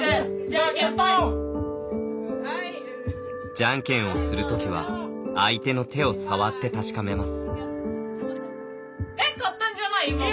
じゃんけんをするときは相手の手を触って確かめます。